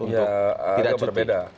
ya agak berbeda